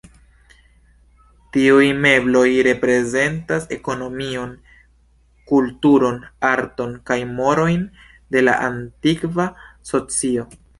Tiuj mebloj prezentas ekonomion, kulturon, arton kaj morojn de la antikva socio.